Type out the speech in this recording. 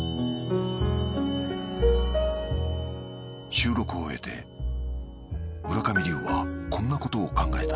収録を終えて村上龍はこんなことを考えた